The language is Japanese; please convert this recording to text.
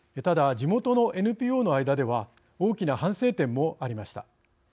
ただ地元のＮＰＯの間では大きな反省点もありました。